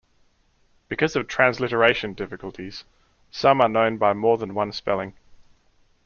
Because of transliteration difficulties, some are known by more than one spelling.